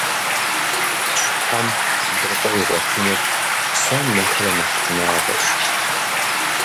Щхьэм дыркъуэ игъуэтыныр псом нэхърэ нэхъ шынагъуэщ.